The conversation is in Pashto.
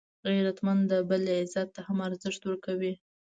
غیرتمند د بل عزت ته هم ارزښت ورکوي